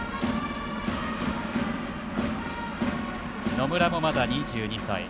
野村もまだ２２歳。